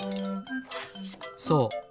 そう。